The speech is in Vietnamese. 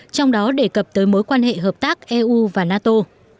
trong đó đề cập tới mối quan hệ hợp tác eu và nato